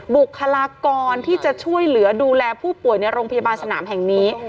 บุคลากรที่จะช่วยเหลือดูแลผู้ป่วยในโรงพยาบาลสนามแห่งนี้